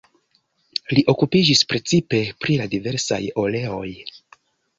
Li okupiĝis precipe pri la diversaj oleoj.